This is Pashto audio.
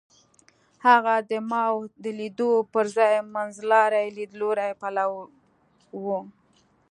هغه د ماوو د لیدلوري پر ځای منځلاري لیدلوري پلوی و.